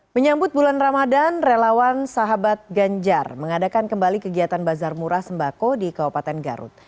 menyambut bulan ramadan relawan sahabat ganjar mengadakan kembali kegiatan bazar murah sembako di kabupaten garut